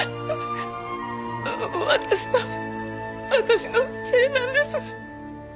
私の私のせいなんです。